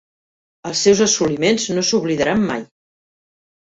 Els seus assoliments no s'oblidaran mai.